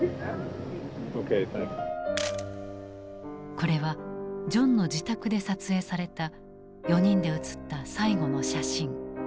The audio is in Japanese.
これはジョンの自宅で撮影された４人で写った最後の写真。